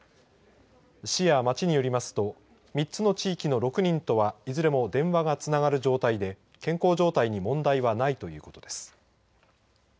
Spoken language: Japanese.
市や町によりますと３つの地域の６人とはいずれも電話がつながる状態で健康状態に問題はないということです。